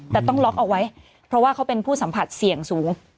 แต่ต้องล็อกเอาไว้เพราะว่าเขาเป็นผู้สัมผัสเสี่ยงสูง